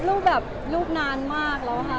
รูปแบบลูกนานมากแล้วค่ะ